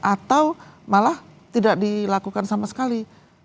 atau malah tidak dilakukan sama sekali